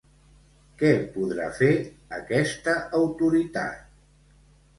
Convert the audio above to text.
Què podrà fer aquesta autoritat?